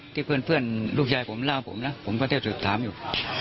ที่เพื่อนลูกยายผมเล่าผมนะผมก็เท่าสุดถามอยู่